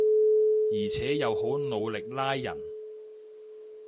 而且又好努力拉人